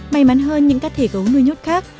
may mắn hơn những cá thể gấu nuôi nhốt khác